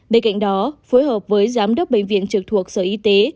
bên cạnh đó phối hợp với giám đốc bệnh viện trực thuộc sở y tế